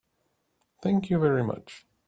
Thank you very much.